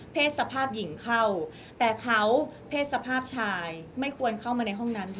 สภาพหญิงเข้าแต่เขาเพศสภาพชายไม่ควรเข้ามาในห้องนั้น